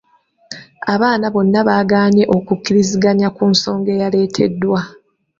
Abaana bonna baagaanye okukkiriziganya ku nsonga eyaleeteddwa.